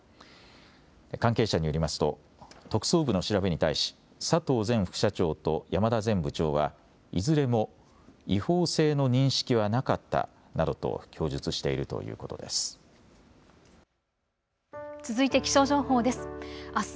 関係者によりますと特捜部の調べに対し佐藤前副社長と山田前部長はいずれも違法性の認識はなかったなどと供述しているということです。